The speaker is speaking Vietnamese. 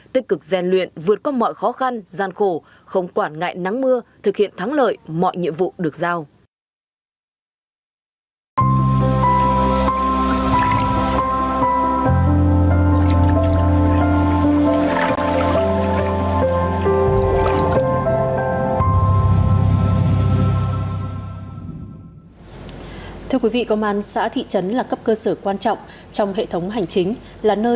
tích cực gian luyện vượt qua mọi khó khăn gian khổ không quản ngại nắng mưa thực hiện thắng lợi mọi nhiệm vụ được giao